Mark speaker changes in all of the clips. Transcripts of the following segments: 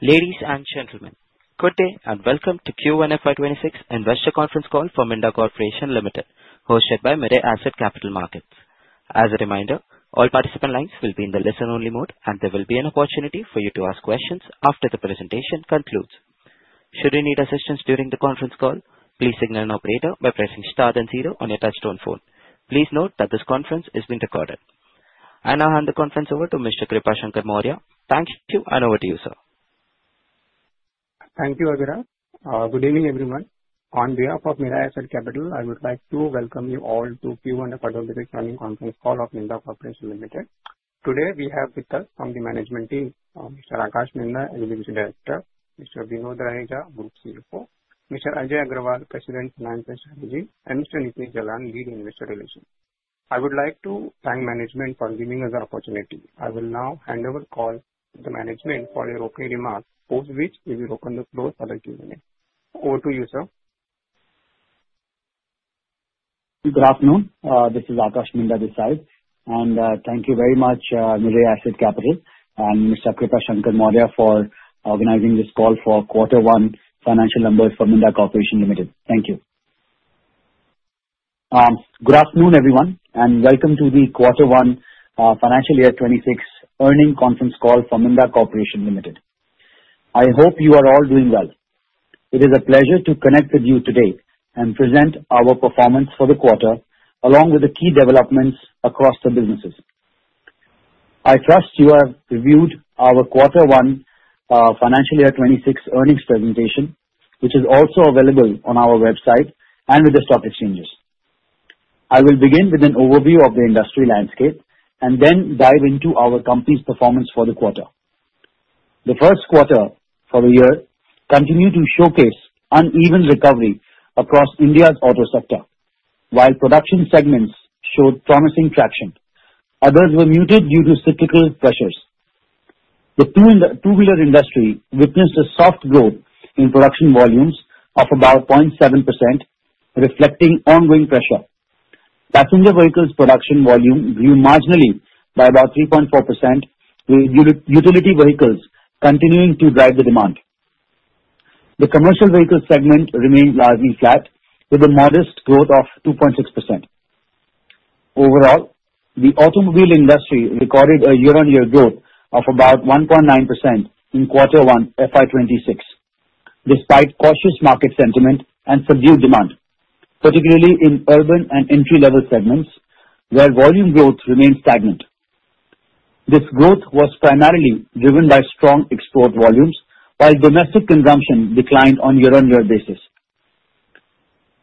Speaker 1: Ladies and gentlemen, good day and welcome to Q1 FY 2026 Investor Conference Call for Minda Corporation Limited, hosted by Mirae Asset Capital Markets. As a reminder, all participant lines will be in the listen-only mode, and there will be an opportunity for you to ask questions after the presentation concludes. Should you need assistance during the conference call, please signal an operator by pressing star then zero on your touch-tone phone. Please note that this conference is being recorded. I now hand the conference over to Mr. Kripashankar Maurya. Thank you, and over to you, sir.
Speaker 2: Thank you, Avira. Good evening, everyone. On behalf of Mirae Asset Capital Markets, I would like to welcome you all to Q1 FY 2026 Earnings Conference Call of Minda Corporation Limited. Today, we have with us from the management team, Mr. Aakash Minda, Executive Director; Mr. Vinod Raheja, Group CFO; Mr. Ajay Agarwal, President, Finance and Strategy; and Mr. Nitin Jalan, Head of Investor Relations. I would like to thank management for giving us the opportunity. I will now hand over the call to the management for your opening remarks, post which we will open the floor for the Q&A. Over to you, sir.
Speaker 3: Good afternoon. This is Aakash Minda this side, and thank you very much, Mirae Asset Capital, and Mr. Kripashankar Maurya for organizing this call for Quarter One Financial Numbers for Minda Corporation Limited. Thank you. Good afternoon, everyone, and welcome to the Quarter One Financial Year 2026 Earnings Conference Call for Minda Corporation Limited. I hope you are all doing well. It is a pleasure to connect with you today and present our performance for the quarter, along with the key developments across the businesses. I trust you have reviewed our Quarter One Financial Year 2026 earnings presentation, which is also available on our website and with the stock exchanges. I will begin with an overview of the industry landscape and then dive into our company's performance for the quarter. The first quarter for the year continued to showcase an uneven recovery across India's auto sector, while production segments showed promising traction. Others were muted due to cyclical pressures. The two-wheeler industry witnessed a soft growth in production volumes of about 0.7%, reflecting ongoing pressure. Passenger vehicles' production volume grew marginally by about 3.4%, with utility vehicles continuing to drive the demand. The commercial vehicle segment remained largely flat, with a modest growth of 2.6%. Overall, the automobile industry recorded a year-on-year growth of about 1.9% in Quarter One FY 2026, despite cautious market sentiment and subdued demand, particularly in urban and entry-level segments, where volume growth remained stagnant. This growth was primarily driven by strong export volumes, while domestic consumption declined on a year-on-year basis.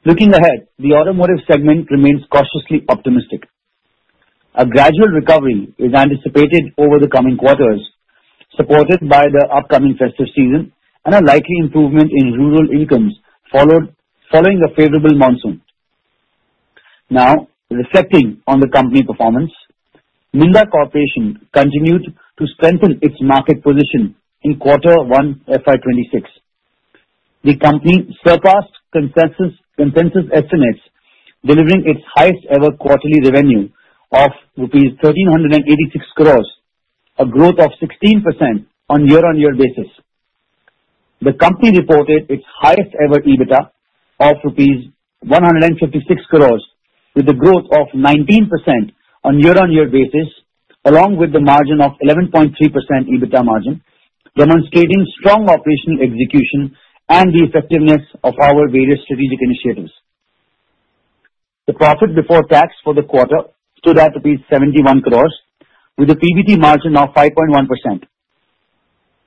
Speaker 3: Looking ahead, the automotive segment remains cautiously optimistic. A gradual recovery is anticipated over the coming quarters, supported by the upcoming festive season and a likely improvement in rural incomes following a favorable monsoon. Now, reflecting on the company performance, Minda Corporation continued to strengthen its market position in Quarter One FY 2026. The company surpassed consensus estimates, delivering its highest-ever quarterly revenue of rupees 1,386 crores, a growth of 16% on a year-on-year basis. The company reported its highest-ever EBITDA of rupees 156 crores, with a growth of 19% on a year-on-year basis, along with a margin of 11.3% EBITDA margin, demonstrating strong operational execution and the effectiveness of our various strategic initiatives. The profit before tax for the quarter stood at rupees 71 crores, with a PBT margin of 5.1%.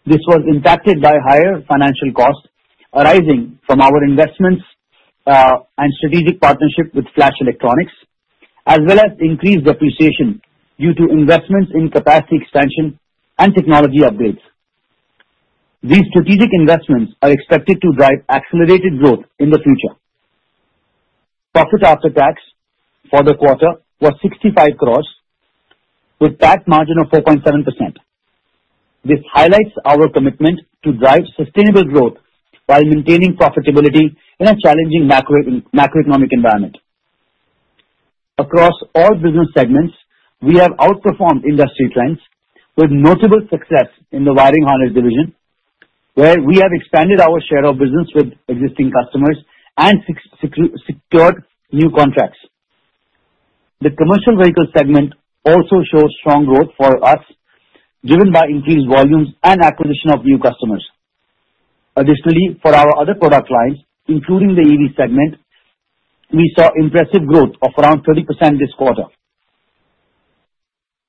Speaker 3: This was impacted by higher financial costs arising from our investments and strategic partnership with Flash Electronics, as well as increased depreciation due to investments in capacity expansion and technology upgrades. These strategic investments are expected to drive accelerated growth in the future. Profit after tax for the quarter was 65 crores, with a tax margin of 4.7%. This highlights our commitment to drive sustainable growth while maintaining profitability in a challenging macroeconomic environment. Across all business segments, we have outperformed industry clients with notable success in the wiring harness division, where we have expanded our share of business with existing customers and secured new contracts. The commercial vehicle segment also shows strong growth for us, driven by increased volumes and acquisition of new customers. Additionally, for our other product lines, including the EV segment, we saw impressive growth of around 30% this quarter.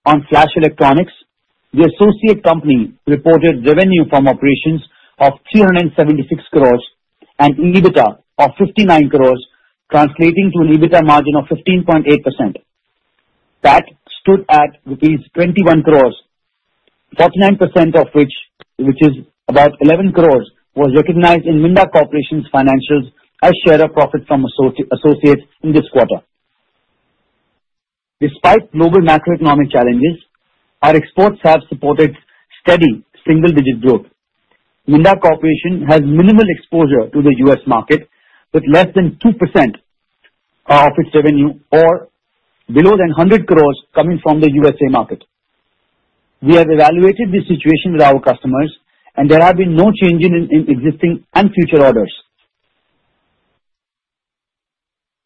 Speaker 3: On Flash Electronics, the associate company reported revenue from operations of 376 crores and EBITDA of 59 crores, translating to an EBITDA margin of 15.8%. That stood at rupees 21 crores, 49% of which is about 11 crores, was recognized in Minda Corporation's financials as share of profit from associates in this quarter. Despite global macroeconomic challenges, our exports have supported steady single-digit growth. Minda Corporation has minimal exposure to the US market, with less than 2% of its revenue or below than 100 crores coming from the USA market. We have evaluated the situation with our customers, and there have been no changes in existing and future orders.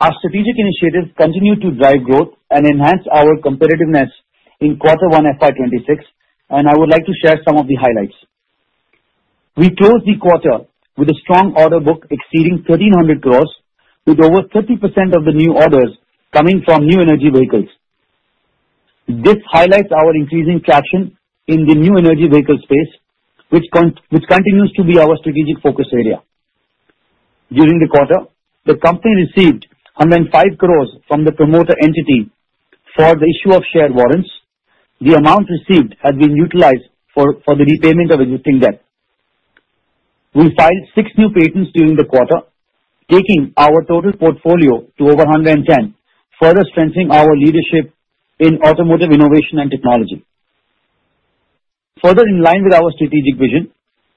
Speaker 3: Our strategic initiatives continue to drive growth and enhance our competitiveness in Quarter One FY 2026, and I would like to share some of the highlights. We closed the quarter with a strong order book exceeding 1,300 crores, with over 30% of the new orders coming from new energy vehicles. This highlights our increasing traction in the new energy vehicle space, which continues to be our strategic focus area. During the quarter, the company received 105 crores from the promoter entity for the issue of share warrants. The amount received has been utilized for the repayment of existing debt. We filed six new patents during the quarter, taking our total portfolio to over 110 crores, further strengthening our leadership in automotive innovation and technology. Further in line with our strategic vision,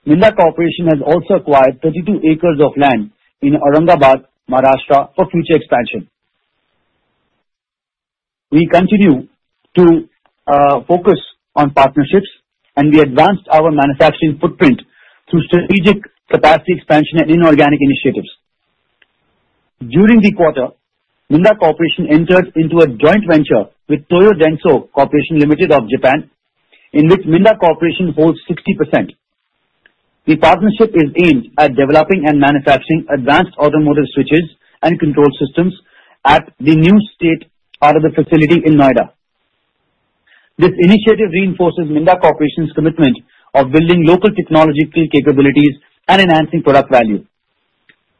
Speaker 3: Minda Corporation has also acquired 32 acres of land in Aurangabad, Maharashtra, for future expansion. We continue to focus on partnerships, and we advanced our manufacturing footprint through strategic capacity expansion and inorganic initiatives. During the quarter, Minda Corporation entered into a joint venture with Toyo Denso Corporation Limited of Japan, in which Minda Corporation holds 60%. The partnership is aimed at developing and manufacturing advanced automotive switches and control systems at the new state-of-the-art facility in Noida. This initiative reinforces Minda Corporation's commitment to building local technological capabilities and enhancing product value.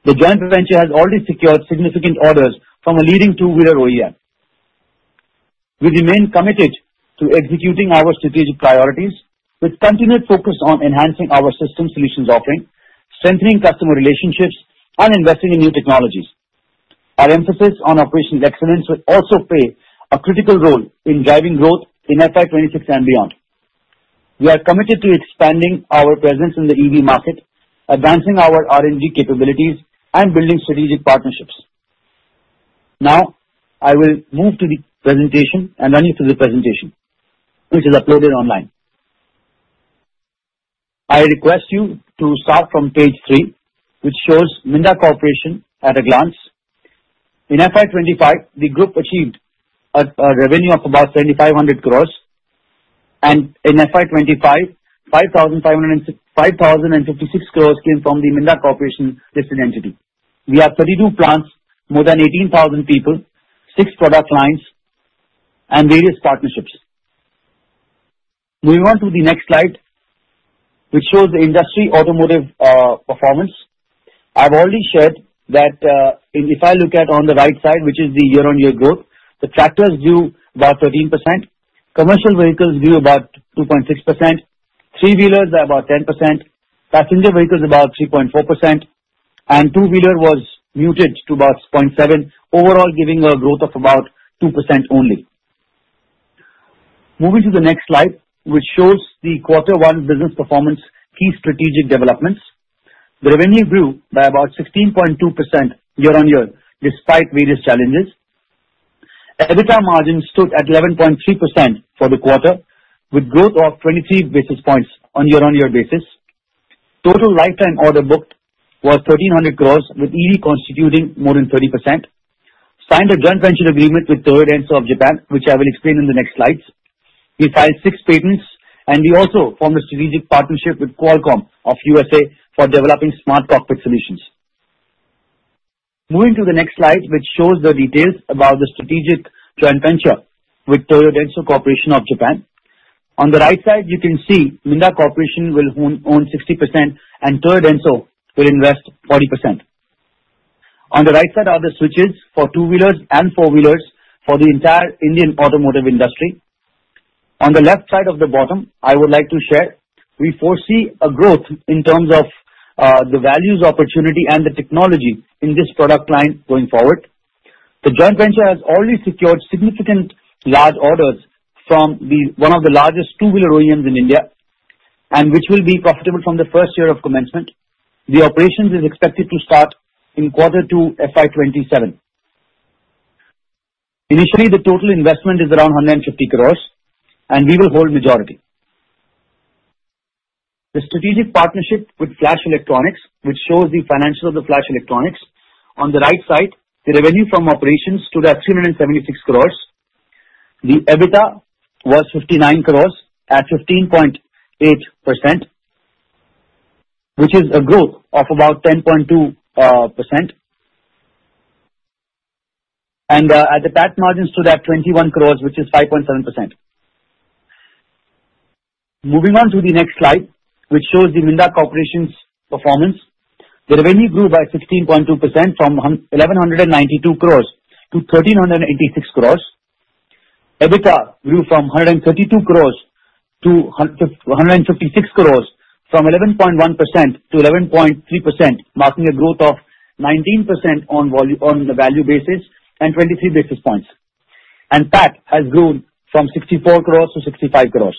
Speaker 3: The joint venture has already secured significant orders from a leading two-wheeler OEM. We remain committed to executing our strategic priorities, with continued focus on enhancing our system solutions offering, strengthening customer relationships, and investing in new technologies. Our emphasis on operational excellence will also play a critical role in driving growth in FY 2026 and beyond. We are committed to expanding our presence in the EV market, advancing our R&D capabilities, and building strategic partnerships. Now, I will move to the presentation and run you through the presentation, which is uploaded online. I request you to start from page three, which shows Minda Corporation at a glance. In FY 2025, the group achieved a revenue of about 7,500 crores, and in FY 2025, 5,056 crores came from the Minda Corporation listed entity. We have 32 plants, more than 18,000 people, six product lines, and various partnerships. Moving on to the next slide, which shows the industry automotive performance. I've already shared that if I look at on the right side, which is the year-on-year growth, the tractors grew about 13%, commercial vehicles grew about 2.6%, three-wheelers about 10%, passenger vehicles about 3.4%, and two-wheeler was muted to about 0.7%, overall giving a growth of about 2% only. Moving to the next slide, which shows the Quarter One business performance key strategic developments. The revenue grew by about 16.2% year-on-year, despite various challenges. EBITDA margin stood at 11.3% for the quarter, with growth of 23 basis points on a year-on-year basis. Total lifetime order booked was 1,300 crores, with EV constituting more than 30%. Signed a joint venture agreement with Toyo Denso of Japan, which I will explain in the next slides. We filed six patents, and we also formed a strategic partnership with Qualcomm of USA for developing smart cockpit solutions. Moving to the next slide, which shows the details about the strategic joint venture with Toyo Denso Corporation of Japan. On the right side, you can see Minda Corporation will own 60%, and Toyo Denso will invest 40%. On the right side are the switches for two-wheelers and four-wheelers for the entire Indian automotive industry. On the left side of the bottom, I would like to share, we foresee a growth in terms of the values opportunity and the technology in this product line going forward. The joint venture has already secured significant large orders from one of the largest two-wheeler OEMs in India, and which will be profitable from the first year of commencement. The operations are expected to start in Quarter Two FY 2027. Initially, the total investment is around 150 crores, and we will hold majority. The strategic partnership with Flash Electronics, which shows the financials of the Flash Electronics. On the right side, the revenue from operations stood at 376 crores. The EBITDA was 59 crores at 15.8%, which is a growth of about 10.2%. The PAT margin stood at INR 21 crores, which is 5.7%. Moving on to the next slide, which shows the Minda Corporation's performance. The revenue grew by 16.2% from 1,192 crores to 1,386 crores. EBITDA grew from 132 crores to 156 crores, from 11.1% to 11.3%, marking a growth of 19% on the value basis and 23 basis points. That has grown from 64 crores to 65 crores.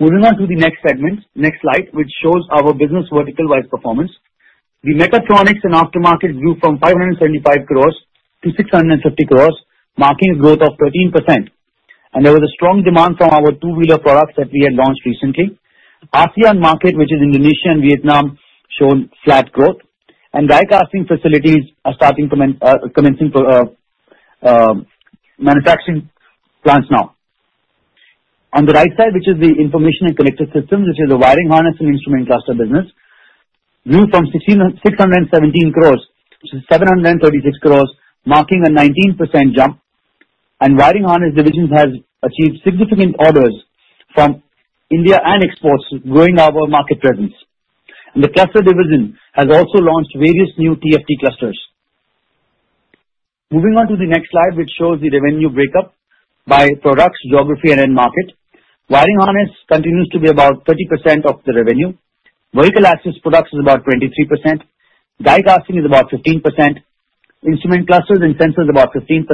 Speaker 3: Moving on to the next segment, next slide, which shows our business vertical-wise performance. The mechatronics and aftermarket grew from 575 crores to 650 crores, marking a growth of 13%. There was a strong demand from our two-wheeler products that we had launched recently. ASEAN market, which is Indonesia and Vietnam, showed flat growth. Diecasting facilities are starting to commence manufacturing plants now. On the right side, which is the information and connected systems, which is the wiring harness and instrument cluster business, grew from 617 crores to 736 crores, marking a 19% jump. Wiring harness division has achieved significant orders from India and exports, growing our market presence. The cluster division has also launched various new TFT clusters. Moving on to the next slide, which shows the revenue breakup by products, geography, and end market. Wiring harness continues to be about 30% of the revenue. Vehicle access products are about 23%. Die-casting is about 15%. Instrument clusters and sensors are about 15%.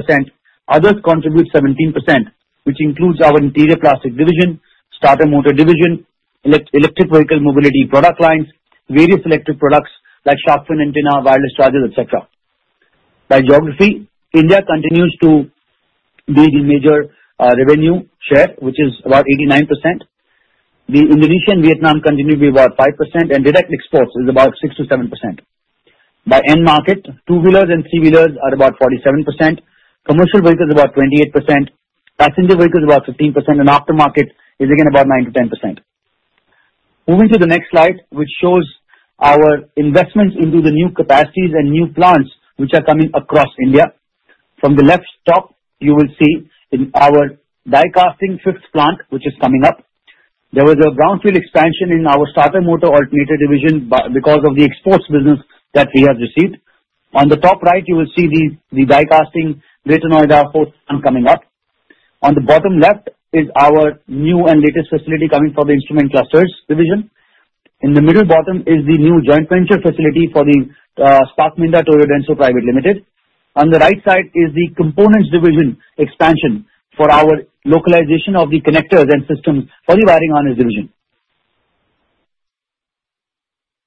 Speaker 3: Others contribute 17%, which includes our interior plastic division, starter motor division, electric vehicle mobility product lines, various electric products like shark fin antenna, wireless chargers, etc. By geography, India continues to be the major revenue share, which is about 89%. Indonesia and Vietnam continue to be about 5%, and direct exports are about 6-7%. By end market, two-wheelers and three-wheelers are about 47%. Commercial vehicles are about 28%. Passenger vehicles are about 15%, and aftermarket is again about 9%-10%. Moving to the next slide, which shows our investments into the new capacities and new plants which are coming across India. From the left top, you will see our diecasting fifth plant, which is coming up. There was a greenfield expansion in our starter motor alternator division because of the exports business that we have received. On the top right, you will see the diecasting Greater Noida coming up. On the bottom left is our new and latest facility coming for the instrument clusters division. In the middle bottom is the new joint venture facility for the Spark Minda Toyo Denso Private Limited. On the right side is the components division expansion for our localization of the connectors and systems for the wiring harness division.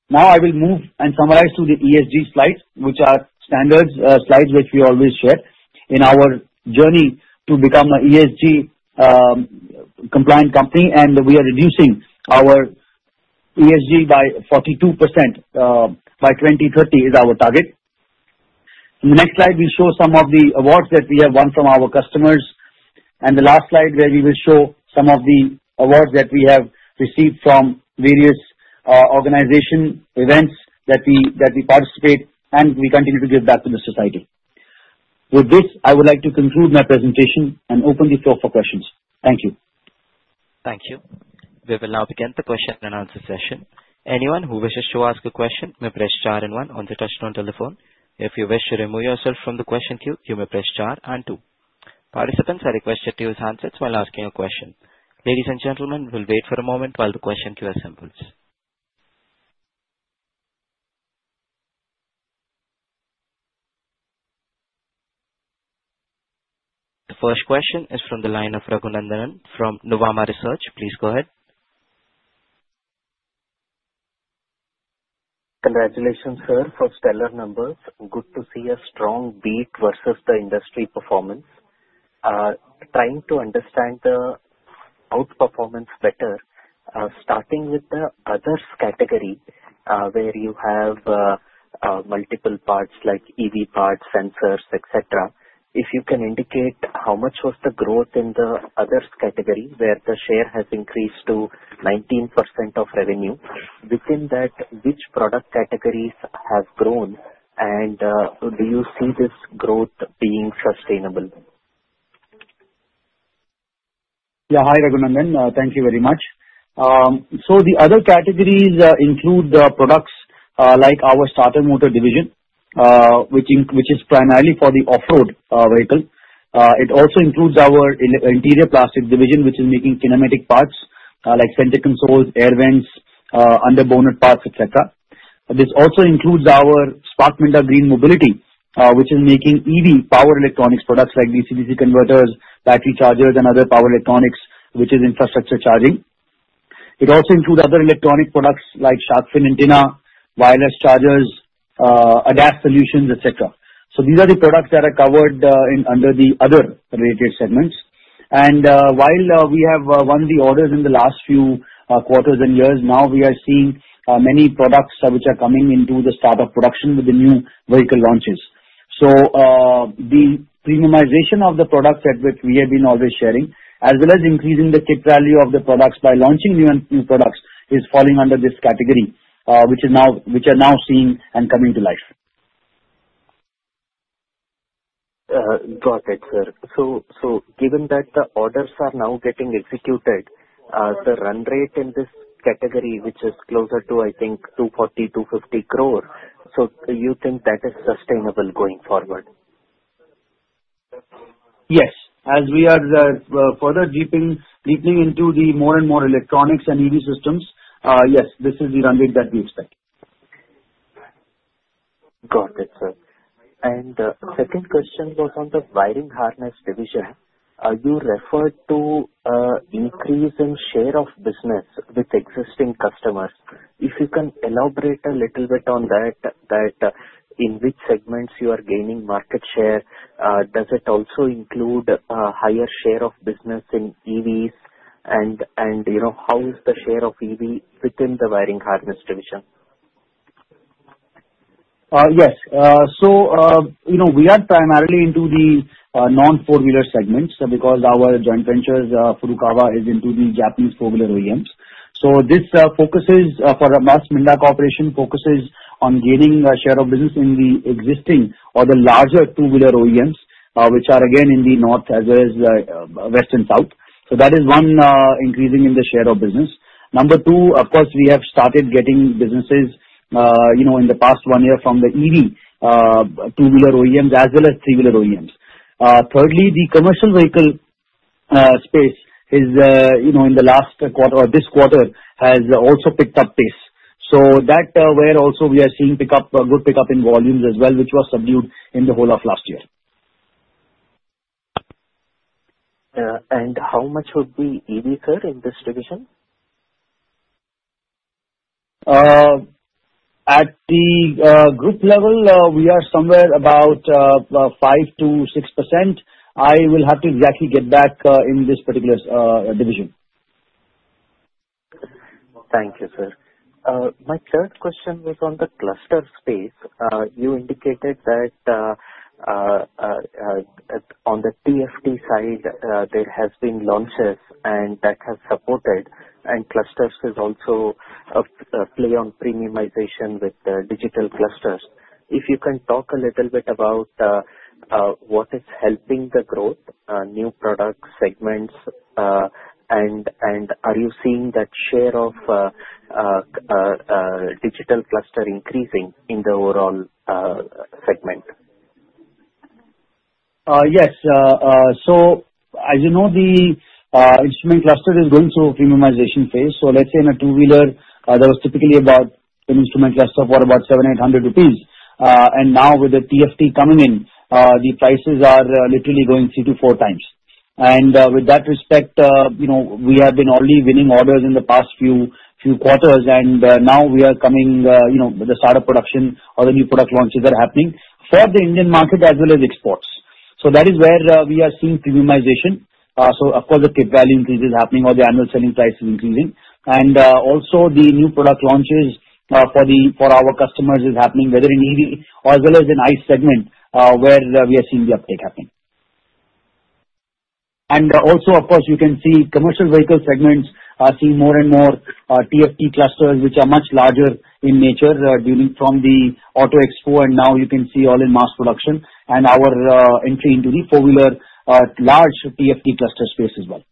Speaker 3: Now I will move and summarize to the ESG slides, which are standards slides which we always share in our journey to become an ESG-compliant company, and we are reducing our ESG by 42% by 2030 is our target. In the next slide, we'll show some of the awards that we have won from our customers, and the last slide where we will show some of the awards that we have received from various organization events that we participate and we continue to give back to the society. With this, I would like to conclude my presentation and open the floor for questions. Thank you.
Speaker 1: Thank you. We will now begin the question and answer session. Anyone who wishes to ask a question may press star and one on the touch-tone telephone. If you wish to remove yourself from the question queue, you may press star and two. Participants are requested to use handsets while asking a question. Ladies and gentlemen, we'll wait for a moment while the question queue assembles. The first question is from the line of Raghunandan from Nuvama Research. Please go ahead.
Speaker 4: Congratulations, Sir. For stellar numbers, good to see a strong beat versus the industry performance. Trying to understand the outperformance better, starting with the others category where you have multiple parts like EV parts, sensors, etc. If you can indicate how much was the growth in the others category where the share has increased to 19% of revenue? Within that, which product categories have grown? And do you see this growth being sustainable?
Speaker 3: Yeah, hi Raghunandan. Thank you very much. So the other categories include the products like our starter motor division, which is primarily for the off-road vehicle. It also includes our interior plastic division, which is making kinematic parts like center consoles, air vents, under bonnet parts, etc. This also includes our Spark Minda Green Mobility, which is making EV power electronics products like DC-DC converters, battery chargers, and other power electronics, which is infrastructure charging. It also includes other electronic products like shark fin antenna, wireless chargers, adaptive solutions, etc. So these are the products that are covered under the other related segments. And while we have won the orders in the last few quarters and years, now we are seeing many products which are coming into the start of production with the new vehicle launches. So the premiumization of the products that we have been always sharing, as well as increasing the kit value of the products by launching new products, is falling under this category, which are now seen and coming to life.
Speaker 4: Got it, sir. So given that the orders are now getting executed, the run rate in this category, which is closer to, I think, 240, 250 crores, so you think that is sustainable going forward?
Speaker 3: Yes. As we are further deepening into the more and more electronics and EV systems, yes, this is the run rate that we expect.
Speaker 4: Got it, sir. And the second question was on the wiring harness division. You referred to an increase in share of business with existing customers. If you can elaborate a little bit on that, in which segments you are gaining market share? Does it also include a higher share of business in EVs? And how is the share of EV within the wiring harness division?
Speaker 3: Yes. So we are primarily into the non-four-wheeler segments because our joint venture, Furukawa, is into the Japanese four-wheeler OEMs. So this focuses for us, Minda Corporation focuses on gaining a share of business in the existing or the larger two-wheeler OEMs, which are again in the north as well as west and south. So that is one increasing in the share of business. Number two, of course, we have started getting businesses in the past one year from the EV two-wheeler OEMs as well as three-wheeler OEMs. Thirdly, the commercial vehicle space is in the last quarter or this quarter has also picked up pace. So that where also we are seeing a good pickup in volumes as well, which was subdued in the whole of last year.
Speaker 4: How much would be EV, sir, in this division?
Speaker 3: At the group level, we are somewhere about 5%-6%. I will have to exactly get back in this particular division.
Speaker 4: Thank you, Sir. My third question was on the cluster space. You indicated that on the TFT side, there have been launches, and that has supported, and clusters is also a play on premiumization with digital clusters. If you can talk a little bit about what is helping the growth, new product segments, and are you seeing that share of digital cluster increasing in the overall segment?
Speaker 3: Yes. So as you know, the instrument cluster is going through a premiumization phase. So let's say in a two-wheeler, there was typically about an instrument cluster for about 700 rupees, 800 rupees. And now with the TFT coming in, the prices are literally going three to four times. And with that respect, we have been only winning orders in the past few quarters. And now we are coming with the startup production or the new product launches that are happening for the Indian market as well as exports. So that is where we are seeing premiumization. So of course, the kit value increase is happening or the annual selling price is increasing. And also the new product launches for our customers are happening, whether in EV or as well as in ICE segment, where we are seeing the uptake happen. And also, of course, you can see commercial vehicle segments are seeing more and more TFT clusters, which are much larger in nature from the Auto Expo and now you can see all in mass production. And our entry into the four-wheeler large TFT cluster space as well.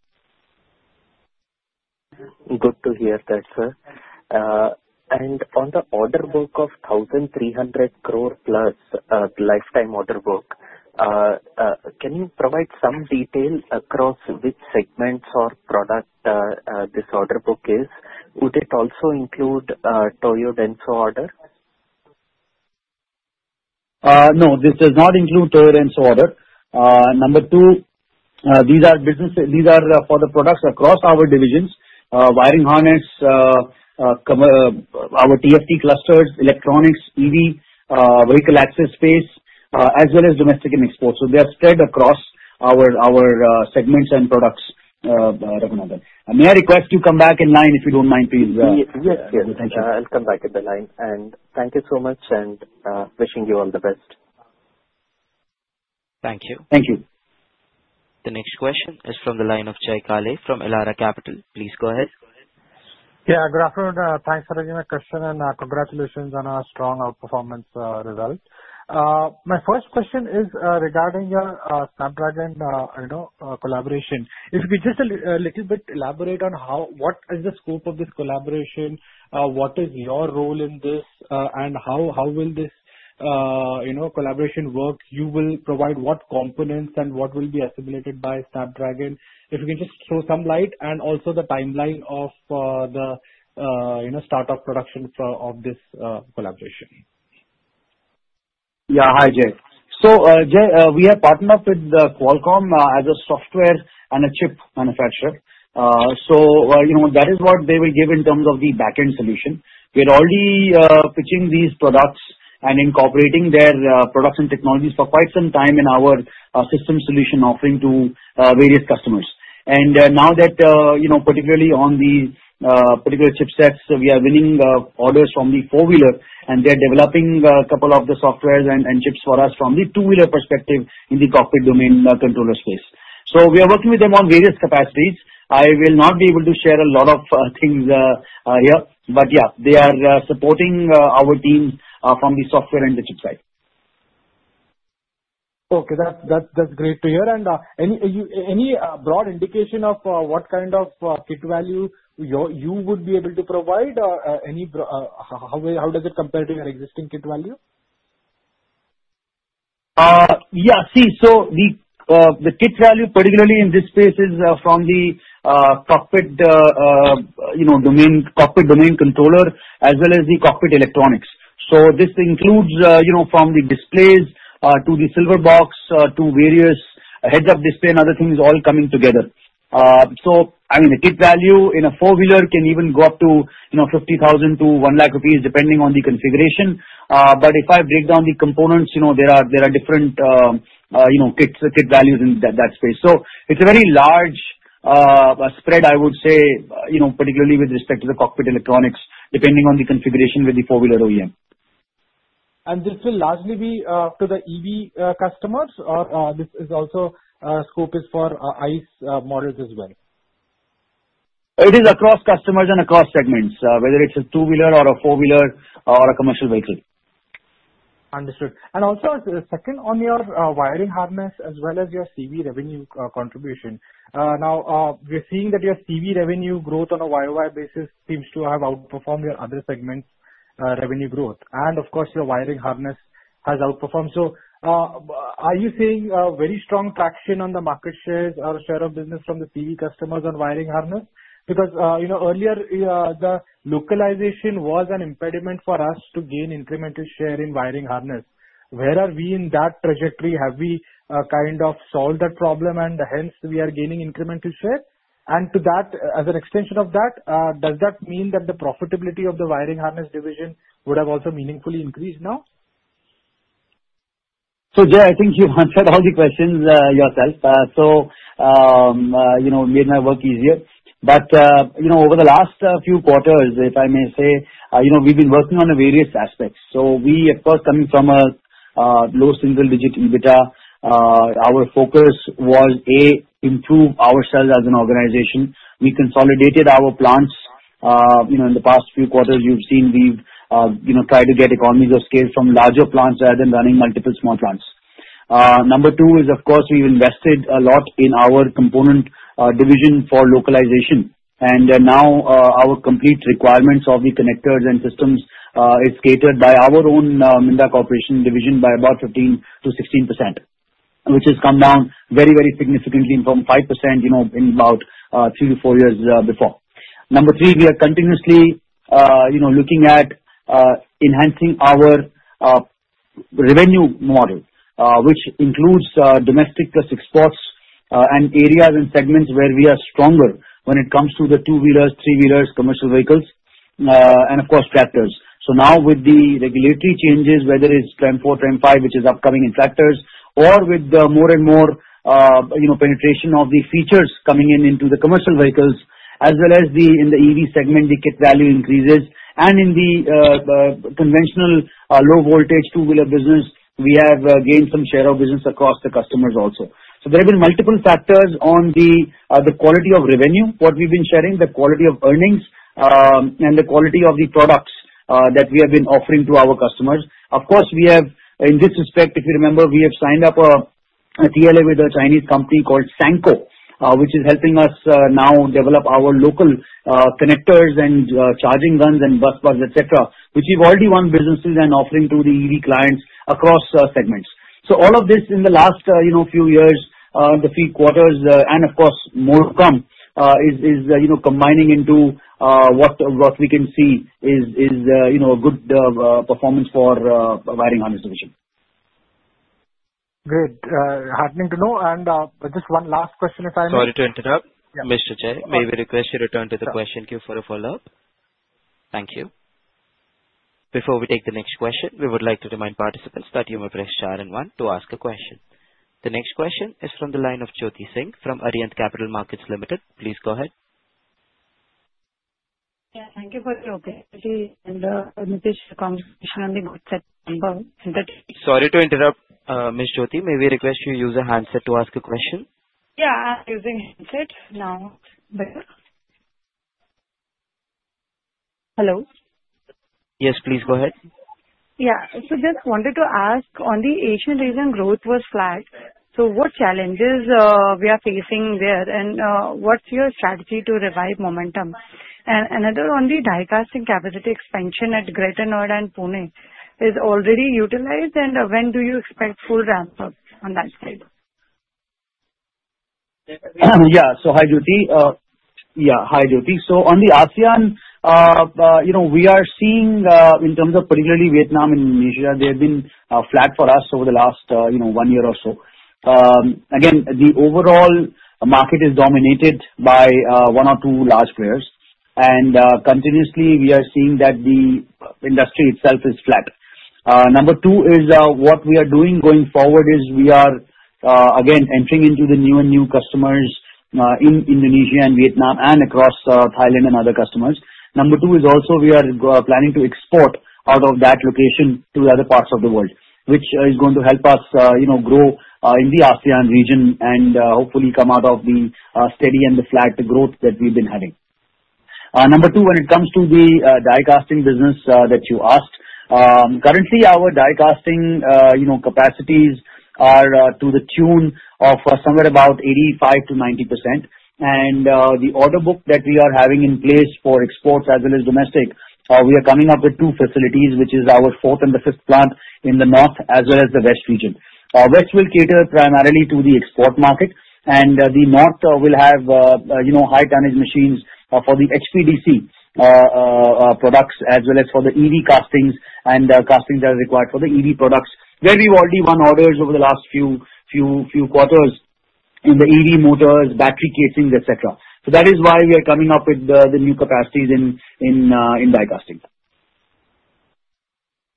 Speaker 4: Good to hear that, sir, and on the order book of 1,300 crore plus, lifetime order book, can you provide some detail across which segments or product this order book is? Would it also include Toyo Denso order?
Speaker 3: No, this does not include Toyo Denso order. Number two, these are businesses for the products across our divisions: wiring harness, our TFT clusters, electronics, EV, vehicle access space, as well as domestic and exports. So they are spread across our segments and products, Raghunandan. May I request you come back in line if you don't mind, please?
Speaker 4: Yes, yes. Thank you. I'll come back in the line. And thank you so much, and wishing you all the best.
Speaker 1: Thank you.
Speaker 3: Thank you.
Speaker 1: The next question is from the line of Jay Kale from Elara Capital. Please go ahead.
Speaker 5: Yeah, good afternoon. Thanks for taking my question and congratulations on our strong outperformance result. My first question is regarding your Snapdragon collaboration. If you could just a little bit elaborate on what is the scope of this collaboration, what is your role in this, and how will this collaboration work? You will provide what components and what will be assimilated by Snapdragon? If you can just throw some light and also the timeline of the startup production of this collaboration.
Speaker 3: Yeah, hi, Jay. So, Jay, we are partnered up with Qualcomm as a software and a chip manufacturer. So that is what they will give in terms of the backend solution. We are already pitching these products and incorporating their products and technologies for quite some time in our system solution offering to various customers. And now that particularly on the particular chipsets, we are winning orders from the four-wheeler, and they are developing a couple of the softwares and chips for us from the two-wheeler perspective in the cockpit domain controller space. So we are working with them on various capacities. I will not be able to share a lot of things here, but yeah, they are supporting our team from the software and the chip side.
Speaker 5: Okay, that's great to hear. And any broad indication of what kind of kit value you would be able to provide? How does it compare to your existing kit value?
Speaker 3: Yeah, see, so the kit value, particularly in this space, is from the cockpit domain controller as well as the cockpit electronics. So this includes from the displays to the silver box to various heads-up display and other things all coming together. So I mean, the kit value in a four-wheeler can even go up to 50,000-1,000,000 rupees depending on the configuration. But if I break down the components, there are different kit values in that space. So it's a very large spread, I would say, particularly with respect to the cockpit electronics, depending on the configuration with the four-wheeler OEM.
Speaker 5: This will largely be for the EV customers, or this scope is also for ICE models as well?
Speaker 3: It is across customers and across segments, whether it's a two-wheeler or a four-wheeler or a commercial vehicle.
Speaker 5: Understood. And also second on your wiring harness as well as your CV revenue contribution. Now, we're seeing that your CV revenue growth on a YOY basis seems to have outperformed your other segments' revenue growth. And of course, your wiring harness has outperformed. So are you seeing very strong traction on the market shares or share of business from the CV customers on wiring harness? Because earlier, the localization was an impediment for us to gain incremental share in wiring harness. Where are we in that trajectory? Have we kind of solved that problem and hence we are gaining incremental share? And as an extension of that, does that mean that the profitability of the wiring harness division would have also meaningfully increased now?
Speaker 3: Jay, I think you've answered all the questions yourself. So it made my work easier. But over the last few quarters, if I may say, we've been working on various aspects. So we, of course, coming from a low single-digit EBITDA, our focus was, A, improve ourselves as an organization. We consolidated our plants in the past few quarters. You've seen we've tried to get economies of scale from larger plants rather than running multiple small plants. Number two is, of course, we've invested a lot in our component division for localization. And now our complete requirements of the connectors and systems is catered by our own Minda Corporation division by about 15%-16%, which has come down very, very significantly from 5% in about three to four years before. Number three, we are continuously looking at enhancing our revenue model, which includes domestic plus exports and areas and segments where we are stronger when it comes to the two-wheelers, three-wheelers, commercial vehicles, and of course, tractors. So now with the regulatory changes, whether it's TREM 4, TREM 5, which is upcoming in tractors, or with the more and more penetration of the features coming into the commercial vehicles, as well as in the EV segment, the kit value increases. And in the conventional low-voltage two-wheeler business, we have gained some share of business across the customers also. So there have been multiple factors on the quality of revenue, what we've been sharing, the quality of earnings, and the quality of the products that we have been offering to our customers. Of course, we have, in this respect, if you remember, we have signed up a TLA with a Chinese company called Sanco, which is helping us now develop our local connectors and charging guns and bus bars, etc., which we've already won businesses and offering to the EV clients across segments, so all of this in the last few years, the few quarters, and of course, more to come is combining into what we can see is a good performance for wiring harness division.
Speaker 5: Great. Heartening to know. And just one last question, if I may.
Speaker 1: Sorry to interrupt. Mr. Jay, may we request you return to the question queue for a follow-up? Thank you. Before we take the next question, we would like to remind participants that you may press star and one to ask a question. The next question is from the line of Jyoti Singh from Arihant Capital Markets Limited. Please go ahead.
Speaker 6: Yeah, thank you for the opportunity and the invitation conversation and the good set number.
Speaker 1: Sorry to interrupt, Ms. Jyoti. May we request you use a handset to ask a question?
Speaker 6: Yeah, I'm using handset now. Hello.
Speaker 1: Yes, please go ahead.
Speaker 6: Yeah. So just wanted to ask, on the ASEAN region, growth was flat. So what challenges we are facing there? And what's your strategy to revive momentum? And another on the die-casting capacity expansion at Greater Noida and Pune is already utilized, and when do you expect full ramp-up on that side?
Speaker 3: Yeah, so hi Jyoti. Yeah, hi Jyoti. So on the ASEAN, we are seeing in terms of particularly Vietnam and Indonesia, they have been flat for us over the last one year or so. Again, the overall market is dominated by one or two large players, and continuously, we are seeing that the industry itself is flat. Number two is what we are doing going forward is we are again entering into the new and new customers in Indonesia and Vietnam and across Thailand and other customers. Number two is also we are planning to export out of that location to other parts of the world, which is going to help us grow in the ASEAN region and hopefully come out of the steady and the flat growth that we've been having. Number two, when it comes to the die-casting business that you asked, currently our die-casting capacities are to the tune of somewhere about 85%-90%. And the order book that we are having in place for exports as well as domestic, we are coming up with two facilities, which is our fourth and the fifth plant in the north as well as the west region, which will cater primarily to the export market. And the north will have high-tonnage machines for the HPDC products as well as for the EV castings and castings that are required for the EV products, where we've already won orders over the last few quarters in the EV motors, battery casings, etc. So that is why we are coming up with the new capacities in die-casting.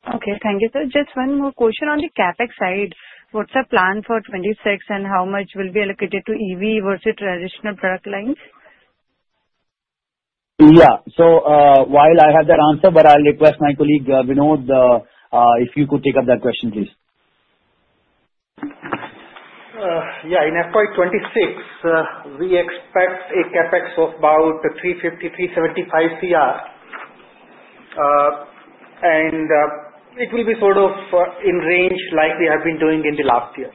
Speaker 6: Okay, thank you. So just one more question on the CapEx side. What's the plan for 26 and how much will be allocated to EV versus traditional product lines?
Speaker 3: Yeah. So while I have that answer, but I'll request my colleague Vinod if you could take up that question, please.
Speaker 7: Yeah, in FY 2026, we expect a CapEx of about 350-375 CR. And it will be sort of in range like we have been doing in the last year.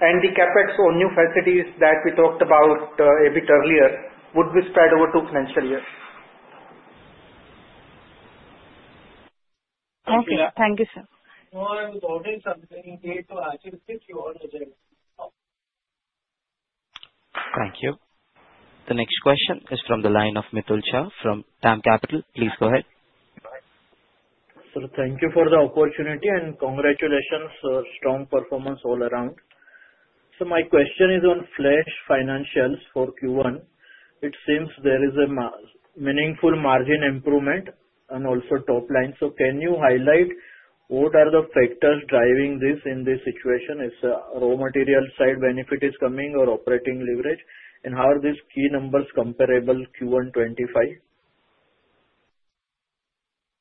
Speaker 7: And the CapEx on new facilities that we talked about a bit earlier would be spread over two financial years.
Speaker 6: Okay, thank you, sir.
Speaker 1: Thank you. The next question is from the line of Mitul Shah from DAM Capital Advisors. Please go ahead.
Speaker 8: Thank you for the opportunity and congratulations for strong performance all around. My question is on Flash financials for Q1. It seems there is a meaningful margin improvement and also top line. Can you highlight what are the factors driving this in this situation? Is the raw material side benefit is coming or operating leverage? And how are these key numbers comparable Q1 2025?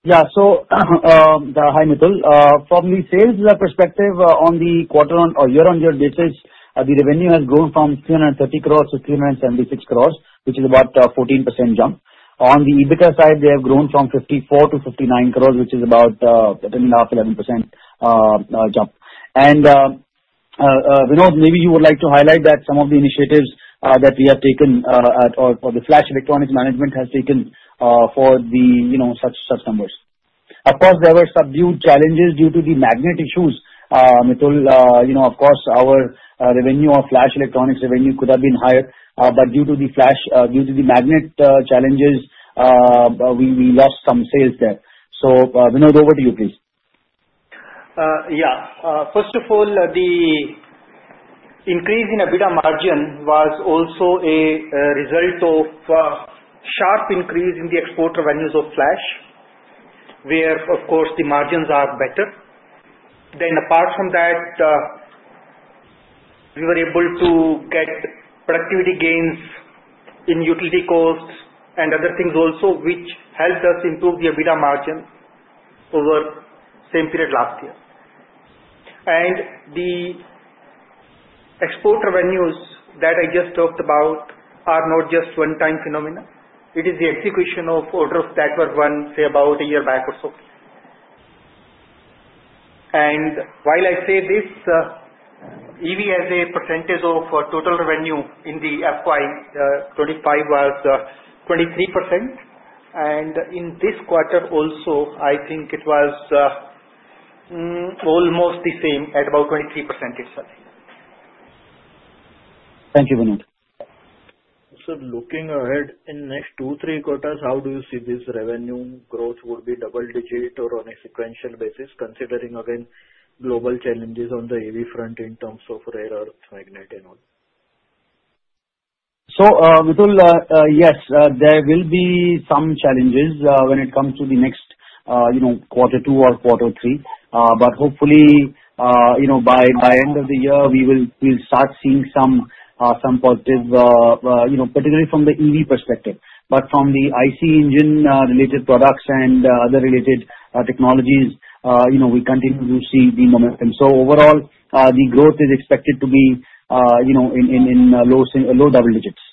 Speaker 3: Yeah, so hi Mitul. From the sales perspective on the quarter-year-on-year basis, the revenue has grown from 330 crores to 376 crores, which is about a 14% jump. On the EBITDA side, they have grown from 54 crores to 59 crores, which is about 10.5, 11% jump. And Vinod, maybe you would like to highlight that some of the initiatives that we have taken or the Flash Electronics management has taken for the such numbers. Of course, there were subdued challenges due to the magnet issues. Of course, our revenue of Flash Electronics revenue could have been higher, but due to the magnet challenges, we lost some sales there. So Vinod, over to you, please.
Speaker 7: Yeah. First of all, the increase in EBITDA margin was also a result of a sharp increase in the export revenues of Flash, where, of course, the margins are better. Then apart from that, we were able to get productivity gains in utility costs and other things also, which helped us improve the EBITDA margin over the same period last year. And the export revenues that I just talked about are not just one-time phenomena. It is the execution of orders that were done, say, about a year back or so. And while I say this, EV as a percentage of total revenue in the FY 2025 was 23%. And in this quarter also, I think it was almost the same at about 23% itself.
Speaker 8: Thank you, Vinod. So looking ahead in the next two, three quarters, how do you see this revenue growth would be double-digit or on a sequential basis, considering again global challenges on the EV front in terms of rare earth magnet and all?
Speaker 3: So Mitul, yes, there will be some challenges when it comes to the next quarter two or quarter three. But hopefully, by the end of the year, we will start seeing some positive, particularly from the EV perspective. But from the ICE engine-related products and other related technologies, we continue to see the momentum. So overall, the growth is expected to be in low double digits.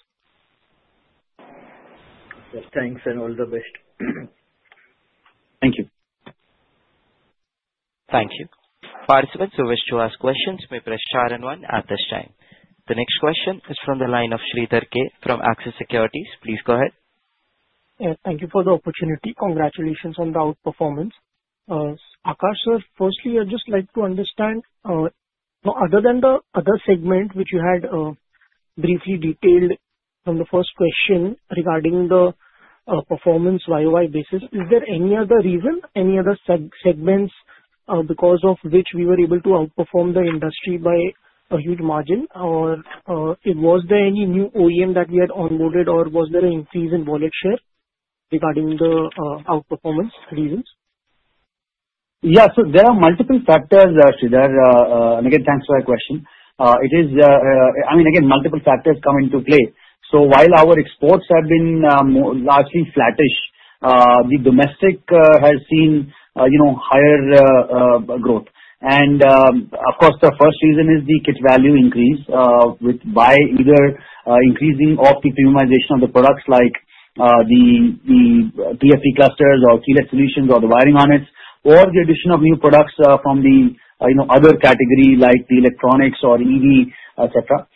Speaker 8: Thanks and all the best.
Speaker 3: Thank you.
Speaker 1: Thank you. Participants who wish to ask questions may press star and one at this time. The next question is from the line of Sridhar K from Axis Securities. Please go ahead.
Speaker 9: Thank you for the opportunity. Congratulations on the outperformance. Akash sir, firstly, I'd just like to understand, other than the other segment which you had briefly detailed from the first question regarding the performance YOY basis, is there any other reason, any other segments because of which we were able to outperform the industry by a huge margin? Or was there any new OEM that we had onboarded, or was there an increase in wallet share regarding the outperformance reasons?
Speaker 3: Yeah, so there are multiple factors, Sridhar. And again, thanks for your question. I mean, again, multiple factors come into play. So while our exports have been largely flattish, the domestic has seen higher growth. And of course, the first reason is the kit value increase by either increasing of the premiumization of the products like the TFT clusters or keyless solutions or the wiring harness, or the addition of new products from the other category like the electronics or EV, etc.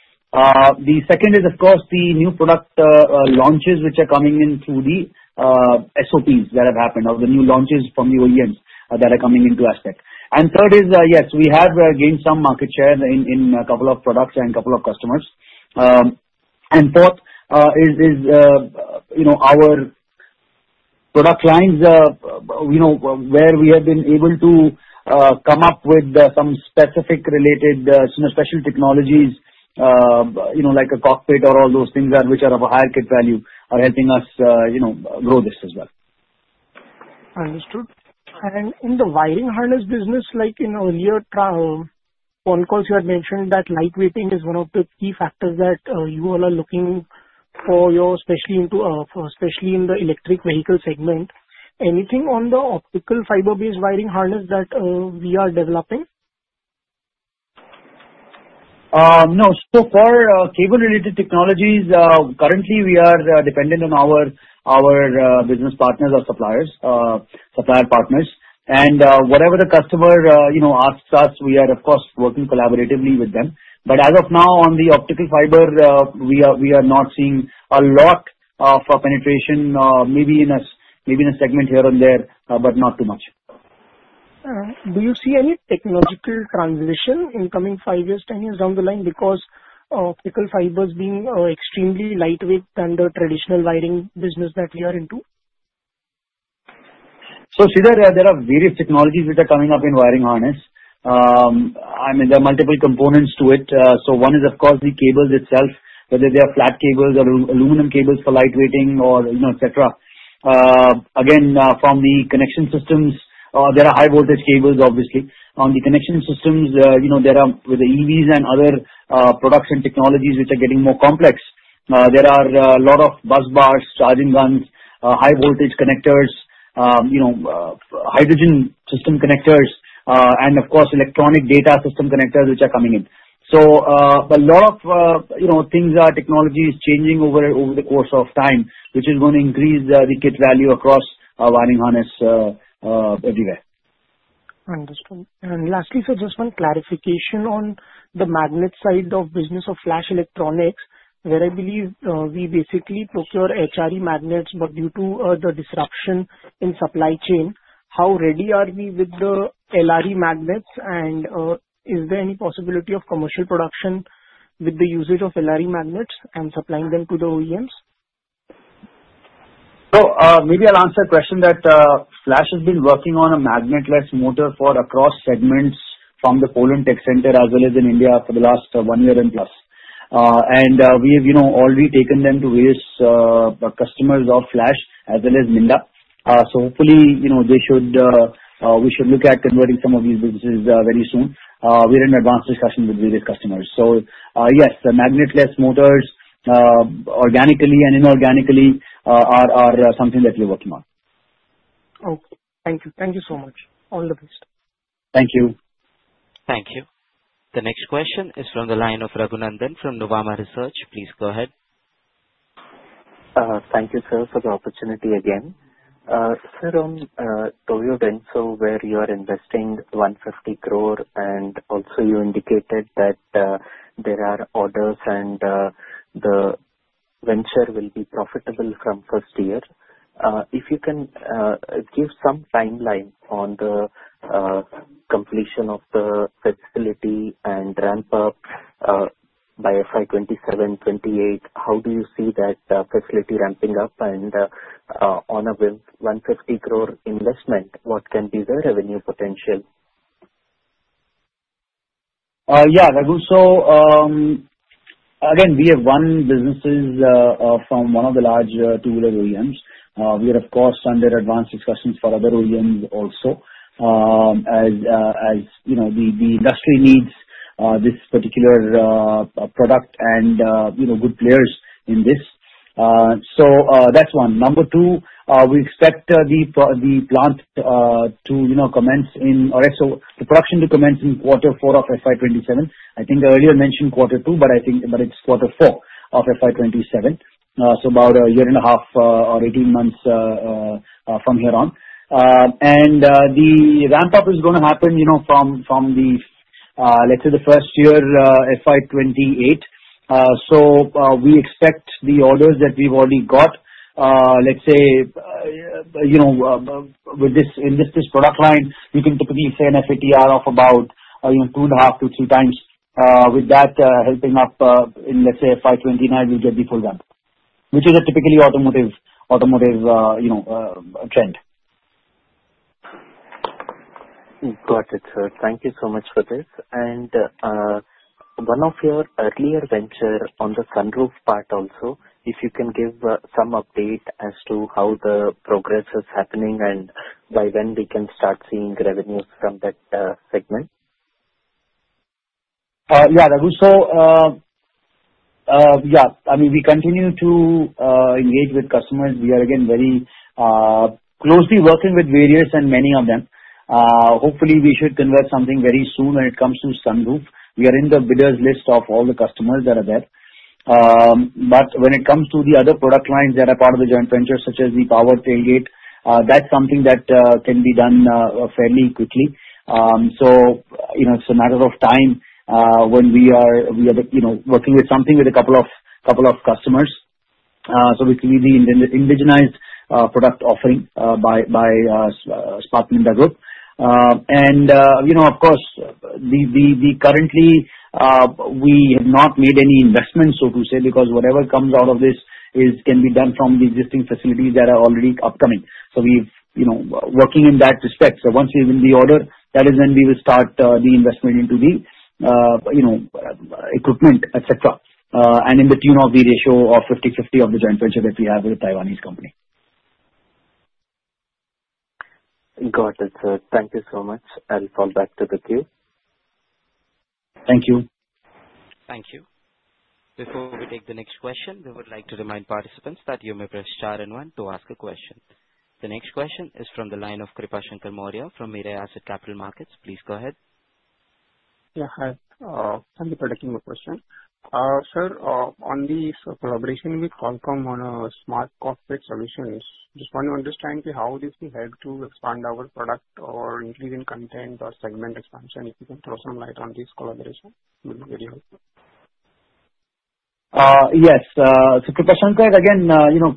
Speaker 3: The second is, of course, the new product launches which are coming in through the SOPs that have happened or the new launches from the OEMs that are coming into aspect. And third is, yes, we have gained some market share in a couple of products and a couple of customers. Fourth is our product lines where we have been able to come up with some specific related special technologies like a cockpit or all those things which are of a higher kit value are helping us grow this as well.
Speaker 9: Understood, and in the wiring harness business, like in earlier phone calls, you had mentioned that lightweighting is one of the key factors that you all are looking for, especially in the electric vehicle segment. Anything on the optical fiber-based wiring harness that we are developing?
Speaker 3: No. So far, cable-related technologies, currently, we are dependent on our business partners or supplier partners. And whatever the customer asks us, we are, of course, working collaboratively with them. But as of now, on the optical fiber, we are not seeing a lot of penetration, maybe in a segment here or there, but not too much.
Speaker 9: All right. Do you see any technological transition in coming five years, ten years down the line because optical fiber is being extremely lightweight than the traditional wiring business that we are into?
Speaker 3: So, Sridhar, there are various technologies which are coming up in wiring harness. I mean, there are multiple components to it. So one is, of course, the cables itself, whether they are flat cables or aluminum cables for lightweighting or etc. Again, from the connection systems, there are high-voltage cables, obviously. On the connection systems, there are with the EVs and other production technologies which are getting more complex. There are a lot of bus bars, charging guns, high-voltage connectors, hydrogen system connectors, and of course, electronic data system connectors which are coming in. So a lot of things are technology is changing over the course of time, which is going to increase the kit value across wiring harness everywhere.
Speaker 9: Understood. And lastly, so just one clarification on the magnet side of business of Flash Electronics, where I believe we basically procure HRE magnets, but due to the disruption in supply chain, how ready are we with the LRE magnets? And is there any possibility of commercial production with the usage of LRE magnets and supplying them to the OEMs?
Speaker 3: So maybe I'll answer the question that Flash has been working on a magnetless motor for across segments from the Poland tech center as well as in India for the last one year and plus. And we have already taken them to various customers of Flash as well as Minda. So hopefully, we should look at converting some of these businesses very soon. We're in advanced discussion with various customers. So yes, the magnetless motors organically and inorganically are something that we're working on.
Speaker 9: Okay. Thank you. Thank you so much. All the best.
Speaker 3: Thank you.
Speaker 1: Thank you. The next question is from the line of Raghunandan from Nuvama Research. Please go ahead.
Speaker 4: Thank you, sir, for the opportunity again. Sir, on Toyo Denso, where you are investing 150 crore, and also you indicated that there are orders and the venture will be profitable from first year. If you can give some timeline on the completion of the facility and ramp-up by FY 2027, 2028, how do you see that facility ramping up? And on a 150 crore investment, what can be the revenue potential?
Speaker 3: Yeah. So again, we have won businesses from one of the large Tier-1 OEMs. We are, of course, under advanced discussions for other OEMs also as the industry needs this particular product and good players in this. So that's one. Number two, we expect the production to commence in quarter four of FY 2027. I think I already mentioned quarter two, but it's quarter four of FY 2027. So about a year and a half or 18 months from here on. And the ramp-up is going to happen from the, let's say, first year, FY 2028. So we expect the orders that we've already got, let's say, with this product line, we can typically say an FATR of about two and a half to three times. With that helping up in, let's say, FY 2029, we'll get the full ramp-up, which is a typical automotive trend.
Speaker 4: Got it, sir. Thank you so much for this. And one of your earlier ventures on the sunroof part also, if you can give some update as to how the progress is happening and by when we can start seeing revenues from that segment?
Speaker 3: Yeah, Raghunandan. So yeah, I mean, we continue to engage with customers. We are, again, very closely working with various and many of them. Hopefully, we should convert something very soon when it comes to sunroof. We are in the bidders' list of all the customers that are there. But when it comes to the other product lines that are part of the joint venture, such as the power tailgate, that's something that can be done fairly quickly. So it's a matter of time when we are working with something with a couple of customers. So we create the indigenized product offering by Spark Minda Group. And of course, currently, we have not made any investments, so to say, because whatever comes out of this can be done from the existing facilities that are already upcoming. So we're working in that respect. So once we win the order, that is when we will start the investment into the equipment, etc. And to the tune of the ratio of 50/50 of the joint venture that we have with the Taiwanese company.
Speaker 4: Got it, sir. Thank you so much. I'll fall back to the queue.
Speaker 3: Thank you.
Speaker 1: Thank you. Before we take the next question, we would like to remind participants that you may press star and one to ask a question. The next question is from the line of Kripashankar Maurya from Mirae Asset Capital Markets. Please go ahead.
Speaker 2: Yeah, hi. Thank you for taking the question. Sir, on the collaboration with Qualcomm on smart cockpit solutions, just want to understand how this will help to expand our product or increase in content or segment expansion. If you can throw some light on this collaboration, it would be very helpful.
Speaker 3: Yes. So Kripashankar, again,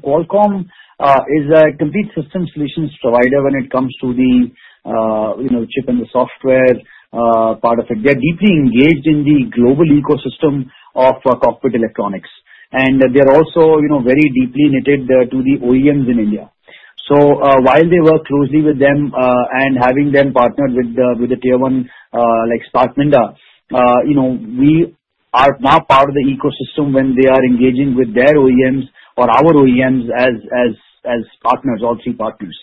Speaker 3: Qualcomm is a complete system solutions provider when it comes to the chip and the software part of it. They are deeply engaged in the global ecosystem of cockpit electronics. And they are also very deeply knitted to the OEMs in India. So while they work closely with them and having them partnered with the tier one like Spark Minda, we are now part of the ecosystem when they are engaging with their OEMs or our OEMs as partners, all three partners.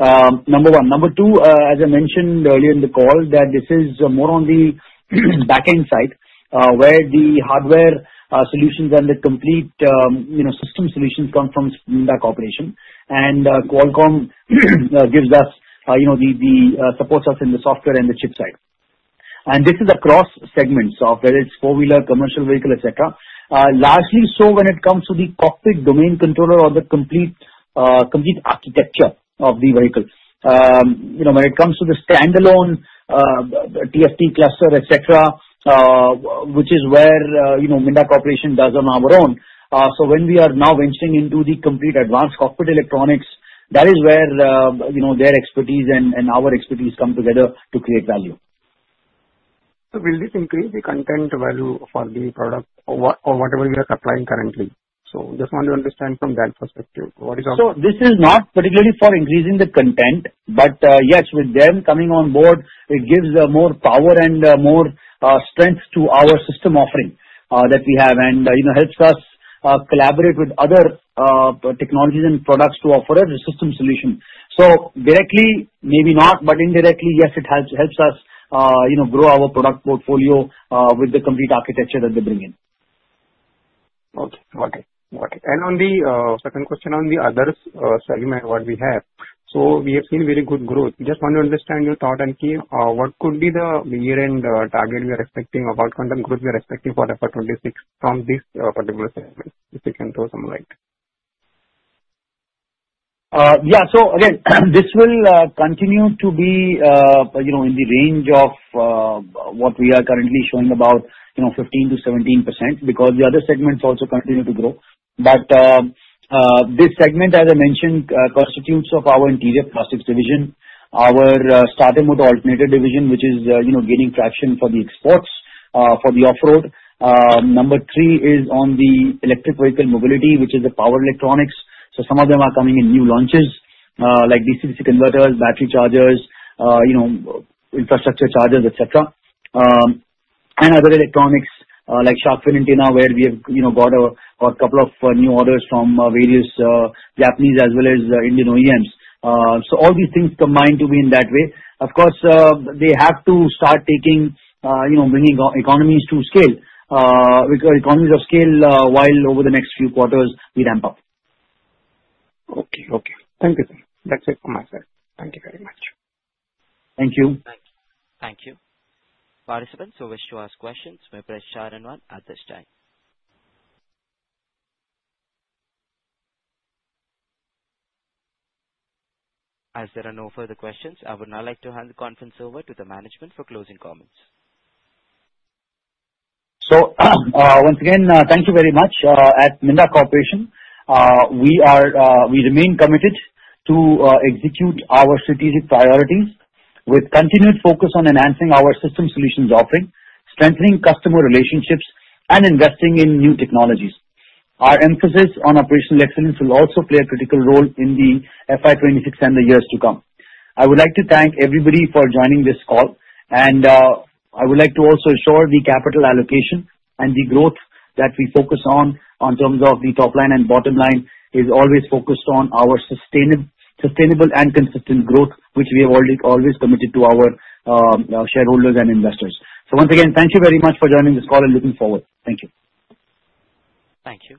Speaker 3: Number one. Number two, as I mentioned earlier in the call, that this is more on the backend side where the hardware solutions and the complete system solutions come from Minda Corporation. And Qualcomm gives us the supports us in the software and the chip side. And this is across segments of whether it's four-wheeler, commercial vehicle, etc., largely so when it comes to the cockpit domain controller or the complete architecture of the vehicle. When it comes to the standalone TFT cluster, etc., which is where Minda Corporation does on our own. So when we are now venturing into the complete advanced cockpit electronics, that is where their expertise and our expertise come together to create value.
Speaker 2: So will this increase the content value for the product or whatever we are supplying currently? So just want to understand from that perspective.
Speaker 3: So this is not particularly for increasing the content, but yes, with them coming on board, it gives more power and more strength to our system offering that we have and helps us collaborate with other technologies and products to offer a system solution. So directly, maybe not, but indirectly, yes, it helps us grow our product portfolio with the complete architecture that they bring in.
Speaker 2: Okay. Got it. Got it. And on the second question, on the other segment, what we have, so we have seen very good growth. Just want to understand your thought and key. What could be the year-end target we are expecting or what quantum growth we are expecting for FY 2026 from this particular segment? If you can throw some light.
Speaker 3: Yeah. So again, this will continue to be in the range of what we are currently showing about 15%-17% because the other segments also continue to grow. But this segment, as I mentioned, constitutes of our interior plastics division, our starter and alternator division, which is gaining traction for the exports, for the off-road. Number three is on the electric vehicle mobility, which is the power electronics. So some of them are coming in new launches like DC-DC converters, battery chargers, infrastructure chargers, etc., and other electronics like shark fin antenna where we have got a couple of new orders from various Japanese as well as Indian OEMs. So all these things combined to be in that way. Of course, they have to start bringing economies of scale while over the next few quarters we ramp up.
Speaker 2: Okay. Okay. Thank you. That's it from my side. Thank you very much.
Speaker 3: Thank you.
Speaker 1: Thank you. Participants who wish to ask questions may press star and one at this time. As there are no further questions, I would now like to hand the conference over to the management for closing comments.
Speaker 3: So once again, thank you very much. At Minda Corporation, we remain committed to execute our strategic priorities with continued focus on enhancing our system solutions offering, strengthening customer relationships, and investing in new technologies. Our emphasis on operational excellence will also play a critical role in the FY 2026 and the years to come. I would like to thank everybody for joining this call. And I would like to also assure the capital allocation and the growth that we focus on in terms of the top line and bottom line is always focused on our sustainable and consistent growth, which we have always committed to our shareholders and investors. So once again, thank you very much for joining this call and looking forward. Thank you.
Speaker 1: Thank you.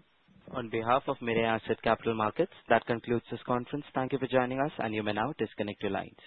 Speaker 1: On behalf of Mirae Asset Capital Markets, that concludes this conference. Thank you for joining us, and you may now disconnect your lines.